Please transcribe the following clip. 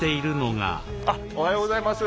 おはようございます。